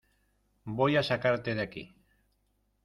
Voy a sacarte de aquí.